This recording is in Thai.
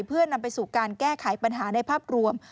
เพื่อนำไปสู่การแก้ไขปัญหาในภาพรวม